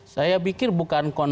saya pikir bukan